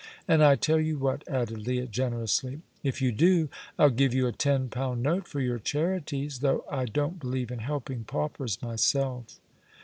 And I tell you what," added Leah, generously. "If you do, I'll give you a ten pound note for your charities, though I don't believe in helping paupers myself."